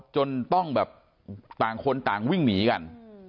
จนต้องแบบต่างคนต่างวิ่งหนีกัน